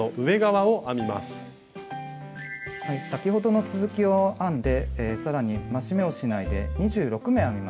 先ほどの続きを編んでさらに増し目をしないで２６目編みます。